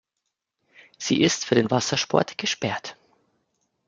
Sie ist für den Wassersport gesperrt.